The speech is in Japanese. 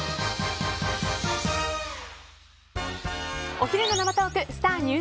お昼の生トークスター☆